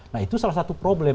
nah itu salah satu problem